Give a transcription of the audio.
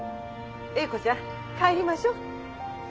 英子ちゃん帰りましょう。